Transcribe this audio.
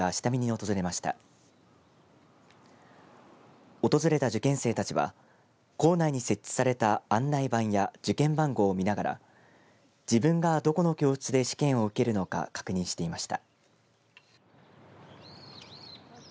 訪れた受験生たちは構内に設置された案内板や受験番号を見ながら自分がどこの教室で試験を受けるのか確認していました。